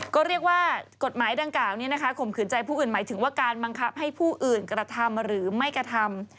ก็เรียกว่ากฎหมายดังกล่าวนี้นะคะข่มขืนใจผู้อื่นหมายถึงว่าการบังคับให้ผู้อื่นกระทำหรือไม่กระทำ